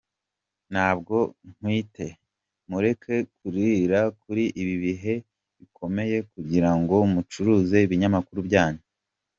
Ntabwo ntwite, mureke kuririra kuri ibi bihe bikomeye kugira ngo mucuruze ibinyamakuru byanyu.